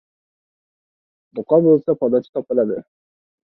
• Buqa bo‘lsa, podachi topiladi.